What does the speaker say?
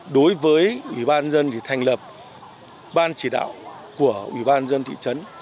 đối với ủy ban dân thì thành lập ban chỉ đạo của ủy ban dân thị trấn